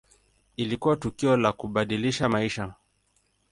Ilikuwa tukio la kubadilisha maisha.